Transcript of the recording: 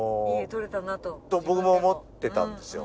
と僕も思ってたんですよ。